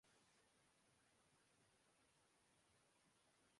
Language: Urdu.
مختلف ممالک میں یہ تقسیم مختلف ہے۔